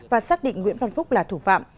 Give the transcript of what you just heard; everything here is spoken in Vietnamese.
và xác định nguyễn văn phúc là thủ phạm